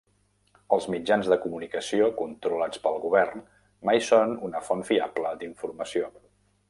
El mitjans de comunicació controlats pel govern mai són una font fiable d'informació.